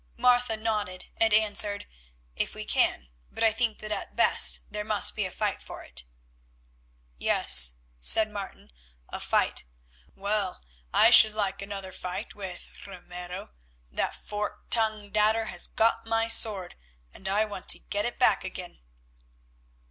Martha nodded and answered, "If we can, but I think that at best there must be a fight for it." "Yes," said Martin, "a fight. Well, I should like another fight with Ramiro. That fork tongued adder has got my sword, and I want to get it back again."